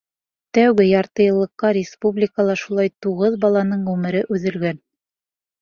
Тәүге ярты йыллыҡта республикала шулай туғыҙ баланың ғүмере өҙөлгән.